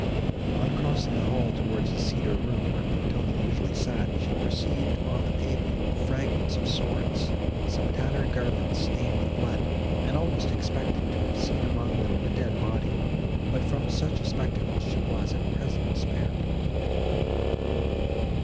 On crossing the hall towards the cedar room, where Montoni usually sat, she perceived, on the pavement, fragments of swords, some tattered garments stained with blood, and almost expected to have seen among them a dead body; but from such a spectacle she was, at present, spared.